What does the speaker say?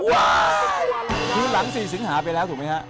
คือหลังสี่สิงห์หาไปแล้วถูกมั้ยฮะ